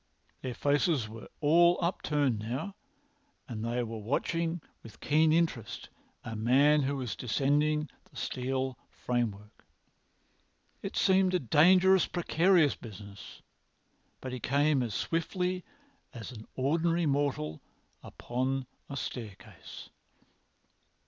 Their faces were all upturned now, and they were watching with keen interest a man who was descending the steel framework. It seemed a dangerous, precarious business, but he came as swiftly as an ordinary mortal upon a staircase.